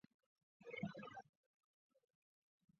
威金斯是一个位于美国密西西比州斯通县的城市。